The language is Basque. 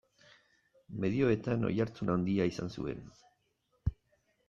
Medioetan oihartzun handia izan zuen.